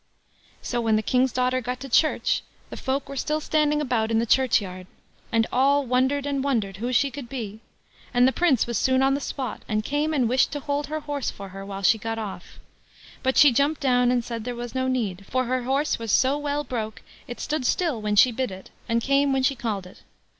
So when the King's daughter got to the church, the folk were still standing about in the churchyard. And all wondered and wondered who she could be, and the Prince was soon on the spot, and came and wished to hold her horse for her while she got off. But she jumped down, and said there was no need, for her horse was so well broke, it stood still when she bid it, and came when she called it.